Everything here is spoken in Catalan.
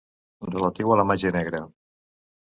Relatiu a la màgia negra.